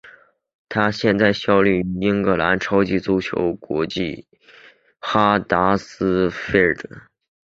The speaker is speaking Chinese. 他现在效力于英格兰超级足球联赛球队哈德斯菲尔德。